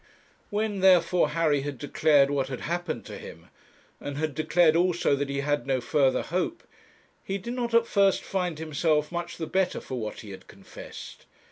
When, therefore, Harry had declared what had happened to him, and had declared also that he had no further hope, he did not at first find himself much the better for what he had confessed.